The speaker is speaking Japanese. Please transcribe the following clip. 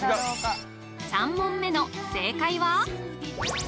３問目の正解は？